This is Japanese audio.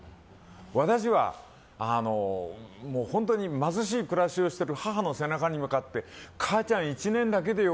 私は本当に貧しい暮らしをしている母の背中に向かって母ちゃん、１年だけでよ